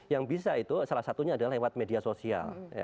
yang bisa itu salah satunya adalah lewat media sosial